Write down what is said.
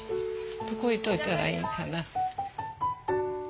どこ置いといたらいいんかな。